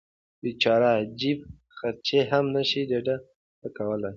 بیچاره جیب خرڅي هم نشي ډډې ته کولی.